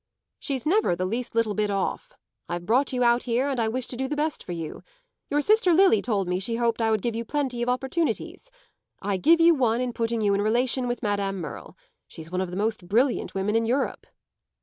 "She's never the least little bit 'off.' I've brought you out here and I wish to do the best for you. Your sister Lily told me she hoped I would give you plenty of opportunities. I give you one in putting you in relation with Madame Merle. She's one of the most brilliant women in Europe."